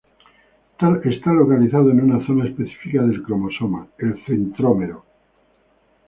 Está localizado en una zona específica del cromosoma, el centrómero.